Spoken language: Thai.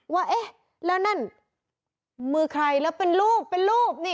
ว่าแล้วนั่นมือใครแล้วเป็นรูป